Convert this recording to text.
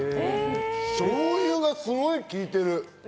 しょうゆがすごい効いてる。